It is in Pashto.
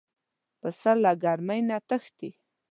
پسه له ګرمۍ نه تښتي.